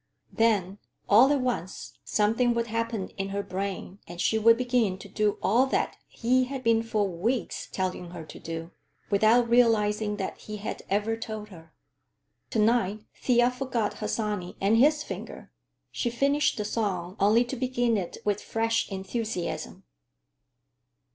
Then, all at once, something would happen in her brain and she would begin to do all that he had been for weeks telling her to do, without realizing that he had ever told her. To night Thea forgot Harsanyi and his finger. She finished the song only to begin it with fresh enthusiasm.